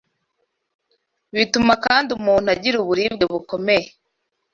Bituma kandi umuntu agira uburibwe bukomeye.